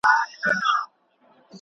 زاړه فکرونه نوي کړئ.